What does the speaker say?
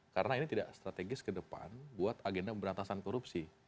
karena ini tidak strategis ke depan buat agenda berantasan korupsi